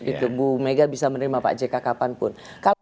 ibu mega bisa menerima pak jk kapanpun